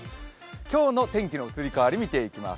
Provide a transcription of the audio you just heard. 今日の天気の移り変わりを見ていきます。